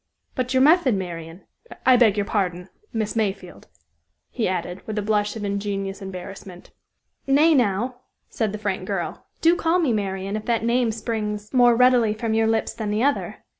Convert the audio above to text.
But your method, Marian? I beg your pardon, Miss Mayfield," he added, with a blush of ingenuous embarrassment. "Nay, now," said the frank girl; "do call me Marian if that name springs more readily from your lips than the other.